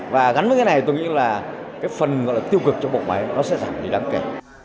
và gắn với cái này tôi nghĩ là cái phần gọi là tiêu cực trong bộ máy nó sẽ giảm đi đáng kể